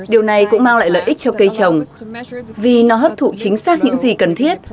điều này cũng mang lại lợi ích cho cây trồng vì nó hấp thụ chính xác những gì cần thiết